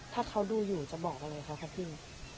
ถ้าเขาดูอยู่จะบอกอะไรคะครับพี่